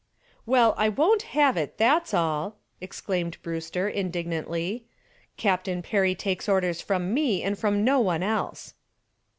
"Well, I won't have it, that's all," exclaimed Brewster, indignantly. "Captain Perry takes orders from me and from no one else."